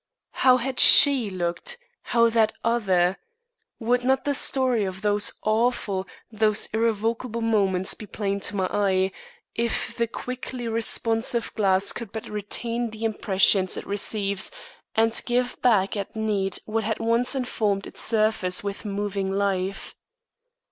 How had she looked how that other? Would not the story of those awful, those irrevocable moments be plain to my eye, if the quickly responsive glass could but retain the impressions it receives and give back at need what had once informed its surface with moving life!